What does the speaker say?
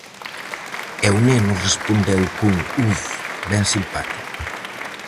E o neno respondeu cun "uf" ben simpático.